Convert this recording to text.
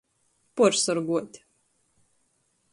Puorsorguot.